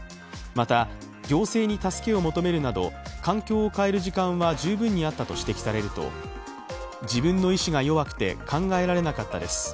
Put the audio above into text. また行政に助けを求めるなど環境を変える時間は十分にあったと指摘されると自分の意思が弱くて考えられなかったです